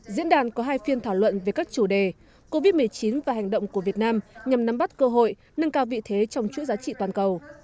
diễn đàn có hai phiên thảo luận về các chủ đề covid một mươi chín và hành động của việt nam nhằm nắm bắt cơ hội nâng cao vị thế trong chuỗi giá trị toàn cầu